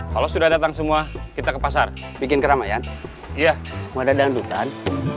halo sudah datang semua kita ke pasar bikin keramaian iya mau ada dandutan